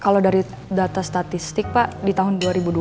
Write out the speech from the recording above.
kalau dari data statistik pak di tahun dua ribu dua puluh